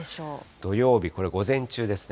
土曜日、これ午前中ですね。